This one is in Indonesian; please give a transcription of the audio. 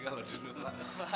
kalau dulu lah